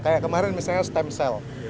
kayak kemarin misalnya stem cell